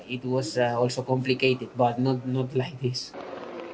itu juga sangat rumit tapi bukan seperti ini